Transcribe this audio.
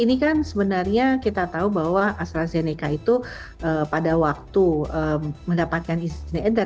ini kan sebenarnya kita tahu bahwa astrazeneca itu pada waktu mendapatkan izin edar